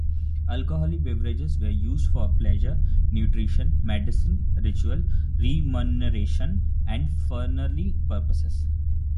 Alcoholic beverages were used for pleasure, nutrition, medicine, ritual, remuneration and funerary purposes.